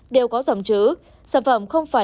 đều có dòng chứ sản phẩm không phải